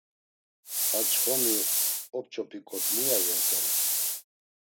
Ar çxomi op̌ç̌opiǩot muya iyasere!